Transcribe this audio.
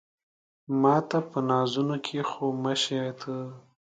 ماته په نازونو کې خو مه شې ته